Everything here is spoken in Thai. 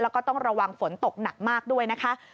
แล้วก็ต้องระวังฝนตกหนักมากด้วยนะคะ